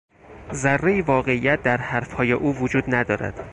ذرهای واقعیت در حرفهای او وجود ندارد.